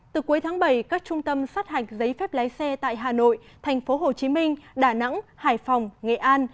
từ cuối tháng bảy các trung tâm sát hạch giấy phép lái xe tại hà nội thành phố hồ chí minh đà nẵng hải phòng nghệ an